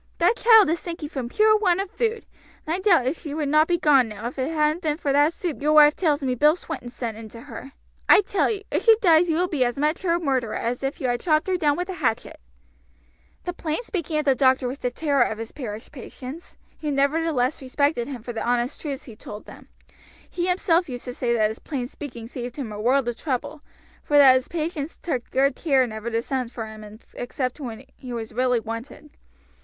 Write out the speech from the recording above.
That child is sinking from pure want of food, and I doubt if she would not be gone now if it hadn't have been for that soup your wife tells me Bill Swinton sent in to her. I tell you, if she dies you will be as much her murderer as if you had chopped her down with a hatchet." The plain speaking of the doctor was the terror of his parish patients, who nevertheless respected him for the honest truths he told them. He himself used to say that his plain speaking saved him a world of trouble, for that his patients took good care never to send for him except when he was really wanted.